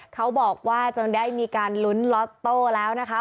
เขาบอกว่าจนได้มีการลุ้นล็อตโต้แล้วนะคะ